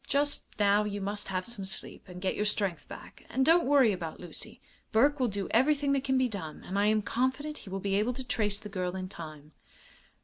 "Just now you must have some sleep and get your strength back. And don't worry about Lucy. Burke will do everything that can be done, and I am confident he will be able to trace the girl in time."